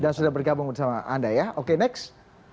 dan sudah bergabung bersama anda ya oke next